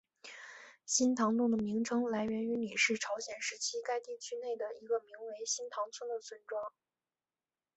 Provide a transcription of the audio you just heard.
新堂洞的名称来源于李氏朝鲜时期该地区内的一个名为新堂村的村庄。